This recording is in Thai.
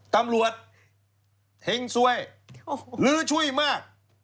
ตำรวจเฮ้งซวยโอ้โฮลื้อช่วยมาก